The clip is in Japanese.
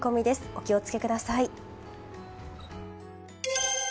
お気を付けください。